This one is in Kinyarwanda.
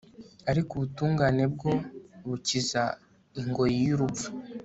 ariko ubutungane bwo bukiza ingoyi y'urupfu